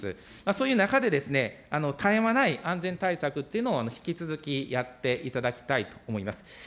そういう中で、絶え間ない安全対策というのを引き続きやっていただきたいと思います。